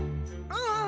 ああ。